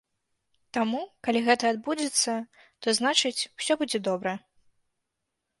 Таму, калі гэта адбудзецца, то значыць, усё будзе добра.